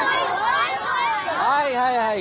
はいはいはい。